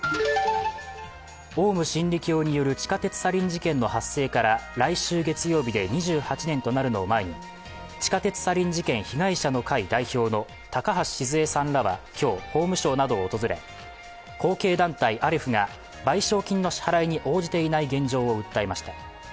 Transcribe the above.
オウム真理教による地下鉄サリン事件の発生から来週月曜日で２８年となるのを前に地下鉄サリン事件被害者の会代表の高橋シズヱさんらは今日、法務省などを訪れ後継団体アレフが賠償金の支払いに応じていない現状を訴えました。